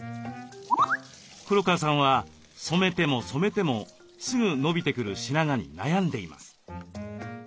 黒川さんは染めても染めてもすぐ伸びてくる白髪に悩んでいます。